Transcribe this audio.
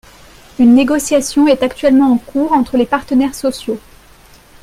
Une négociation est actuellement en cours entre les partenaires sociaux.